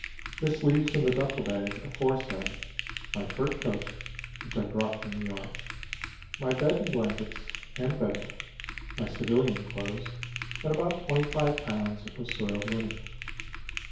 This leaves in the duffle bag aforesaid: my fur coat, which I brought from New York; my bed and blankets and bed roll, my civilian clothes, and about twenty five pounds of soiled linen.